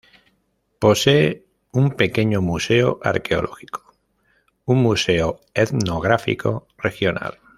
Posee un pequeño museo arqueológico, un museo etnográfico regional.